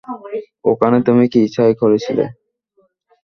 ওখানে তুমি কি ছাই করছিলে?